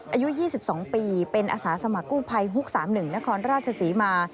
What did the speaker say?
อายุ๒๒ปีเป็นอาสาสมัครกู้ภัยฮุก๓๑นครราชศรีมา